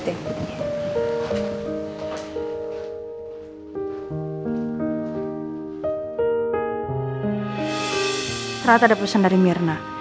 ternyata ada pesan dari mirna